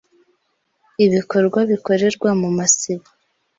ibikorwa bikorerwa mu masibo